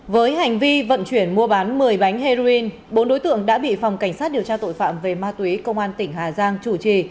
với hành vi vận chuyển mua bán một mươi bánh heroin bốn đối tượng đã bị phòng cảnh sát điều tra tội phạm về ma túy công an tỉnh hà giang chủ trì